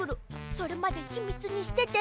それまでひみつにしてて。